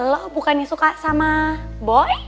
lo bukan yang suka sama boy